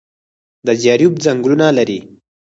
د ځاځي اریوب ځنګلونه لري